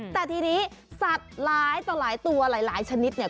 แต่ทีนี้สัตว์หลายต่อหลายตัวหลายชนิดเนี่ย